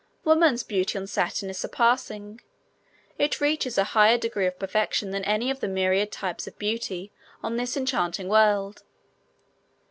Woman's beauty on Saturn is surpassing. It reaches a higher degree of perfection than any of the myriad types of beauty on this enchanting world.